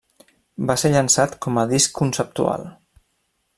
Va ser llançat com a disc conceptual.